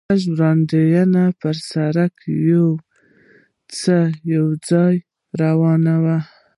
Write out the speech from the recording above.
لږ وړاندې پر سړک یو څو پوځیان را روان و.